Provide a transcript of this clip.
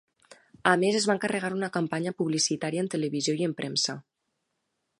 A més, es va encarregar una campanya publicitària en televisió i en premsa.